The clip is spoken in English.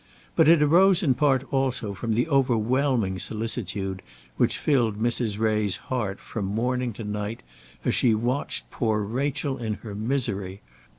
But it arose in part also from the overwhelming solicitude which filled Mrs. Ray's heart from morning to night, as she watched poor Rachel in her misery.